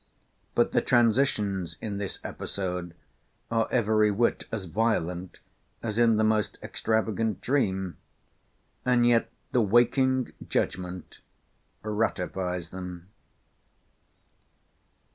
But the transitions in this episode are every whit as violent as in the most extravagant dream, and yet the waking judgment ratifies them.